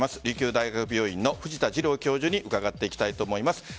琉球大学病院の藤田次郎教授に伺っていきたいと思います。